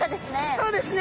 そうですね。